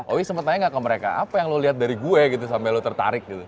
owi sempat tanya gak ke mereka apa yang lo liat dari gue gitu sampai lo tertarik gitu